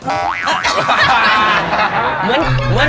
เหมือนเขียนเวลา